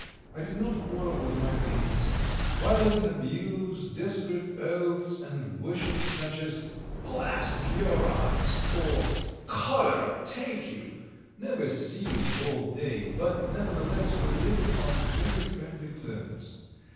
I did not quarrel with my mates. Violent abuse, desperate oaths, and wishes such as, "Blast your eyes," or "Cholera take you," never ceased all day, but, nevertheless, we lived on very friendly terms.